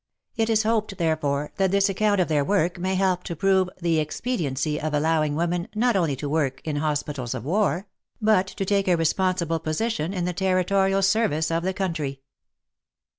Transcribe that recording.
It is hoped, therefore, that this account of their work may help to prove the ex pediency of allowing women not only to work in hospitals of war, but to take a responsible position in the Territorial Service of the country.